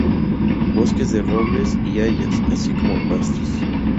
Bosques de robles y hayas, así como pastos.